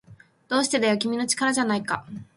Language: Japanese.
どうしてだよ、君の力じゃないか